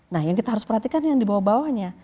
nah yang kita harus perhatikan yang dibawa bawanya